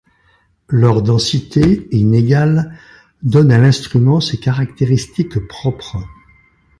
Leur densité, inégale, donne à l'instrument ses caractéristiques propres.